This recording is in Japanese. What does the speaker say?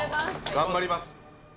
頑張ります。